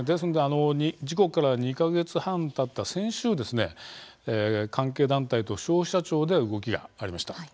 事故から２か月半たった先週、関連団体と消費者庁で動きがありました。